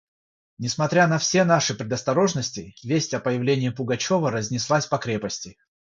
Несмотря на все наши предосторожности, весть о появлении Пугачева разнеслась по крепости.